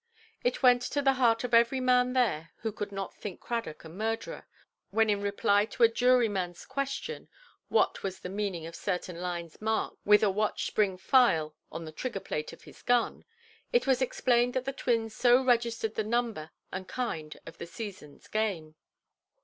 It went to the heart of every man there who could not think Cradock a murderer, when in reply to a jurymanʼs question, what was the meaning of certain lines marked with a watch–spring file on the trigger–plate of his gun, it was explained that the twins so registered the number and kind of the seasonʼs game.